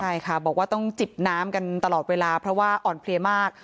ใช่ค่ะบอกว่าต้องจิบน้ำกันตลอดเวลาเพราะว่าอ่อนเพลียมาก